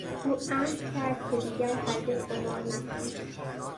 او عهدکرد که دیگر هرگز قمار نکند.